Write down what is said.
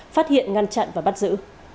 phát hiện ngăn chặn và bắt giữ